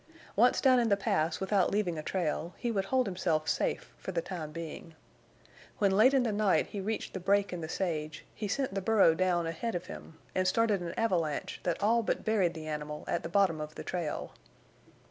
Once down in the Pass without leaving a trail, he would hold himself safe for the time being. When late in the night he reached the break in the sage, he sent the burro down ahead of him, and started an avalanche that all but buried the animal at the bottom of the trail.